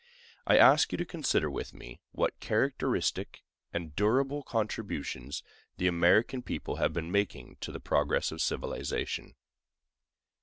I ask you to consider with me what characteristic and durable contributions the American people have been making to the progress of civilization.